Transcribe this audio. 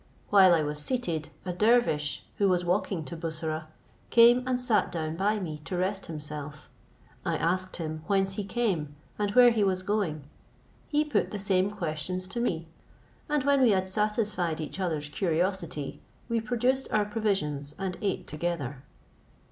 While I was seated, a dervish, who was walking to Bussorah, came and sat down by me to rest himself: I asked him whence he came, and where he was going; he put the same questions to me: and when we had satisfied each other's curiosity, we produced our provisions and ate together.